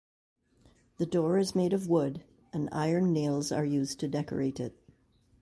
The door is made of wood and iron nails are used to decorate it.